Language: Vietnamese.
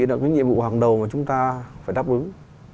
là cái nhiệm vụ hàng đầu mà chúng ta phải đáp ứng